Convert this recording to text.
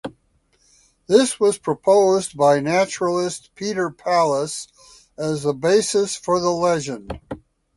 This was proposed by naturalist Peter Pallas as the basis for the legend.